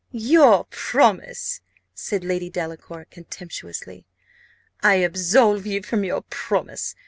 "Your promise!" said Lady Delacour, contemptuously. "I absolve you from your promise.